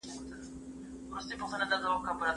هغه وويل چي کتابتون ارام دی؟